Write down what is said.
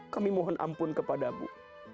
kami mohon ampun kepada bu